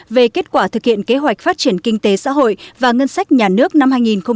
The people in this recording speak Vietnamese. về kết quả thực hiện kế hoạch phát triển kinh tế xã hội và ngân sách nhà nước năm hai nghìn một mươi tám